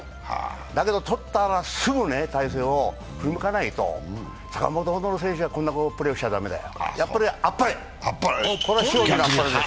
だけど、取ったらすぐ体勢を振り向かないと坂本のほどの選手はそれをしちゃ駄目だよ。